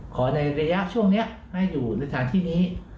ในระยะช่วงนี้ให้อยู่ในสถานที่นี้